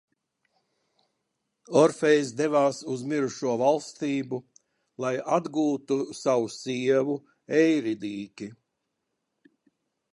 Orfejs devās uz mirušo valstību, lai atgūtu savu sievu Eiridiki.